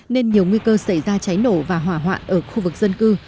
nên nhiều nguy cơ xảy ra cháy nổ và hỏa hoạn ở khu vực dân cư